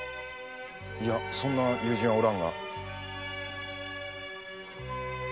いやそんな友人はおらんが。